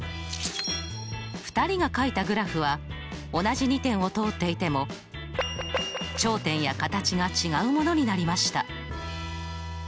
２人がかいたグラフは同じ２点を通っていても頂点や形が違うものになりました。